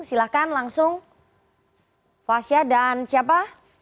silahkan langsung fasya dan siapa